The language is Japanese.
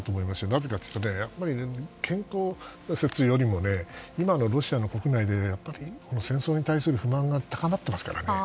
なぜかというと健康不安説よりも今のロシアの国外で戦争に対する不満が高まっていますからね。